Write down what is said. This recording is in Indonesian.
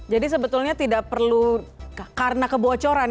jadi sebetulnya tidak perlu karena kebocoran